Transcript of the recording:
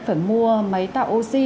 phải mua máy tạo oxy